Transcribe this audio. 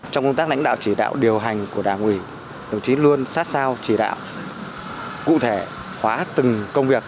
trong công tác lãnh đạo chỉ đạo điều hành của đảng ủy đồng chí luôn sát sao chỉ đạo cụ thể hóa từng công việc